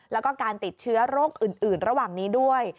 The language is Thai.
แล้วก็การติดเชื้อโรคอื่นระหว่างนี้ด้วย